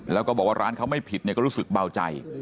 แล้วก็บอกว่าร้านเขาไม่ผิดก็รู้สึกเบาใจ